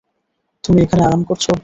তুমি এখানে আরাম করছ!